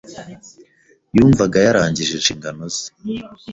Yumvaga yarangije inshingano ze.